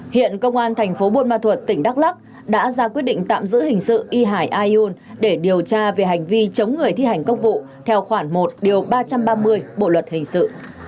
hiện công an thành phố buôn ma thuật tỉnh đắk lắc đã ra quyết định tạm giữ hình sự y hải ayun để điều tra về hành vi chống người thi hành công vụ theo khoản một điều ba trăm ba mươi bộ luật hình sự